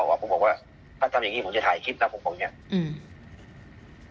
พอบอกว่าถ้าทำอย่างงี้ผมจะถ่ายคลิปของผมอย่างเงี้ย